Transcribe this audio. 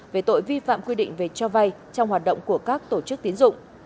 về tội vi phạm quy định về cho vay trong hoạt động của các tổ chức tiến dụng